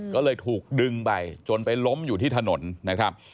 ก็เลยถูกดึงไปจนไปล้มอยู่ที่ถนนนะครับ